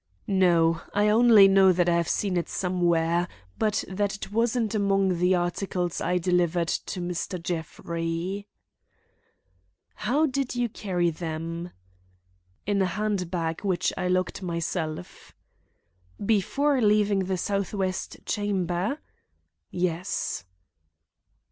"No. I only know that I have seen it somewhere, but that it wasn't among the articles I delivered to Mr. Jeffrey." "How did you carry them?" "In a hand bag which I locked myself." "Before leaving the southwest chamber?" "Yes."